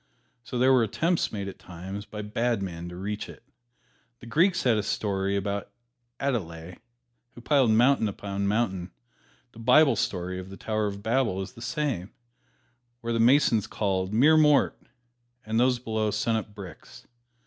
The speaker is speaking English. So there were attempts made at times by bad men to reach it. The Greeks had a story about the Aloidæ who piled mountain upon mountain; the Bible story of the Tower of Babel is the same, where the masons called, "More mort," and those below sent up bricks.